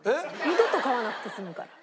二度と買わなくて済むから。